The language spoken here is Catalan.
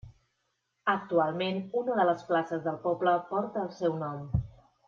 Actualment, una de les places del poble porta el seu nom.